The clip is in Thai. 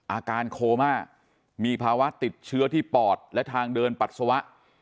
อาการโคม่ามีภาวะติดเชื้อที่ปอดและทางเดินปัสสาวะ